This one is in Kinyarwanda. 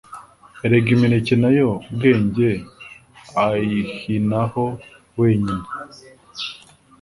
erega imineke na yo bwenge ayihinaho wenyine.